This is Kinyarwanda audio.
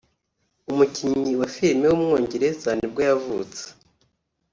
umukinnyi wa filime w’umwongereza ni bwo yavutse